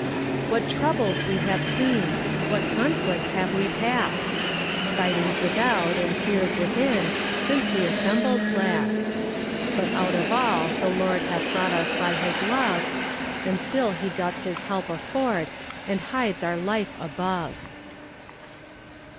What troubles have we seen! What conflicts have we past! Fightings without, and fears within, Since we assembled last! But out of all the Lord Hath brought us by His love; And still he doth his help afford, And hides our life above.